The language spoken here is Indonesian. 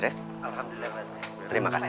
kasus apa verantwort pak